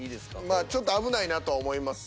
まあちょっと危ないなとは思います